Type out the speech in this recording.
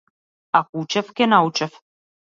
Ако учев ќе научев.